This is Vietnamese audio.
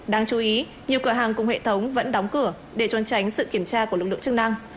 đáng chú ý nhiều cửa hàng cùng hệ thống vẫn đóng cửa để trôn tránh sự kiểm tra của lực lượng chức năng